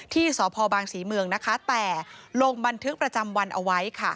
ที่สพบางศรีเมืองนะคะแต่ลงบันทึกประจำวันเอาไว้